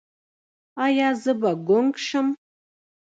ایا زه به ګونګ شم؟